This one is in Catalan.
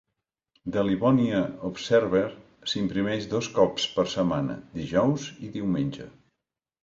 "The Livonia Observer" s'imprimeix dos cops per setmana; dijous i diumenge.